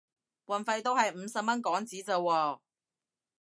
運費都係五十蚊港紙咋喎